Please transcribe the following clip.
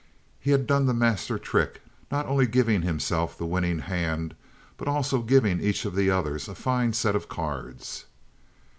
He had done the master trick, not only giving himself the winning hand but also giving each of the others a fine set of cards.